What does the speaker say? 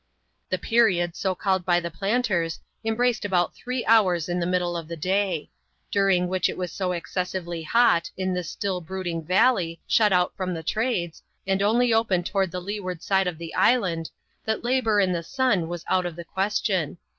The period, so called by the planters, embraced about three hours in the middle of the day ; during which it was so exces siyely hot, in this still brooding valley, shut out from the Trades, and only open toward the leeward side of the island, that labour in the sun was out of the question.